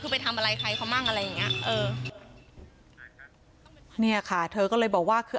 คือไปทำอะไรใครเขามั่งอะไรอย่างเงี้ยเออเนี่ยค่ะเธอก็เลยบอกว่าคือ